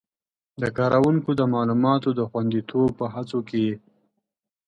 د کاروونکو د معلوماتو د خوندیتوب په هڅو کې یې